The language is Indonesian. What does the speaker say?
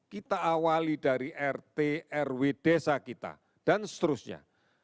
kita awali dari rt rw desa kita dan seterusnya